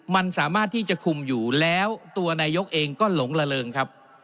มันสามารถที่จะคุมอยู่แล้วตัวนายกเองก็หลงละเริงครับ